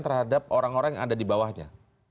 terhadap orang orang yang ada di bawahnya